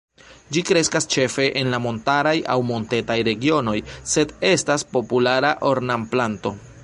Ĝi kreskas ĉefe en la montaraj aŭ montetaj regionoj, sed estas populara ornamplanto.